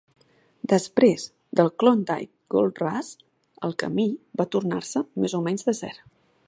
Després del "Klondike Gold Rush", el camí va tornar-se més o menys desert.